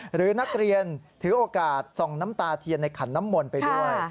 หรือนักเรียนถือโอกาสส่องน้ำตาเทียนในขันน้ำมนต์ไปด้วย